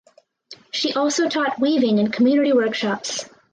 She also taught weaving in community workshops.